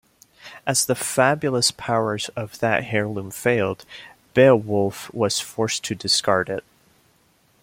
As the "fabulous powers of that heirloom failed," Beowulf was forced to discard it.